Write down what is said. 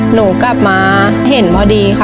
หนูกลับมาเห็นพอดีค่ะ